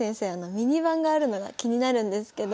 ミニ盤があるのが気になるんですけど。